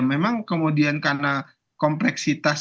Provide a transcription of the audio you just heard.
memang kemudian karena kompleksitas